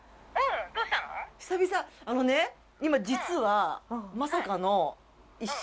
久々あのね今実はまさかの。